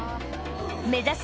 目指す